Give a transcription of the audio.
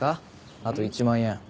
あと１万円。